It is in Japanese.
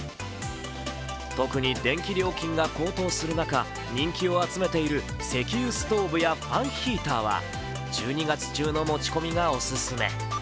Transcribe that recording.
特に電気料金が高騰する中、人気を集めている石油ストーブやファンヒーターは１２月中の持ち込みがオススメ。